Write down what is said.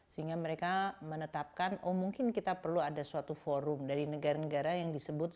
sehingga mereka menetapkan oh mungkin kita perlu ada suatu forum dari negara negara yang disebut